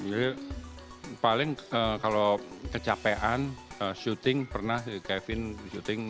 jadi paling kalau kecapean syuting pernah kevin syuting